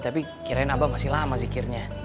tapi kirain abang masih lama zikirnya